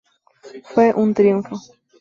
Fue un triunfo.